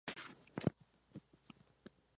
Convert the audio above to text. Lucas Obes.